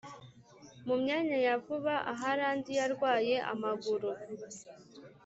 Mu myaka ya vuba aha randi yarwaye amaguru